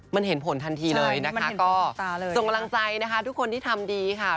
มันเห็นผลทันทีเลยนะคะก็ส่งกำลังใจนะคะทุกคนที่ทำดีค่ะ